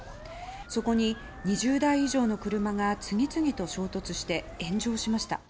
そこに２０台以上の車が次々と衝突して炎上しました。